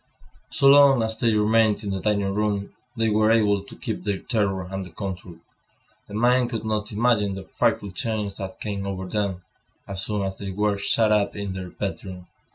So long as they remained in the dining room, they were able to keep their terror under control. The mind could not imagine the frightful change that came over them, as soon as they were shut up in their bedroom.